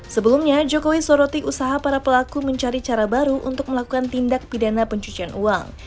sebelumnya jokowi sorotik usaha para pelaku mencari cara baru untuk melakukan tindak pidana pencucian uang